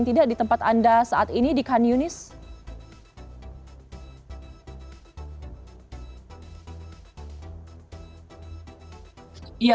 nah sdoler ootu hama benar benar obadoi polisi